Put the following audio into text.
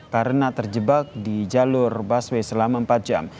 karena terjebak di jalur busway selama empat jam